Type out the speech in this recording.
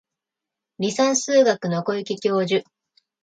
離散数学の小池教授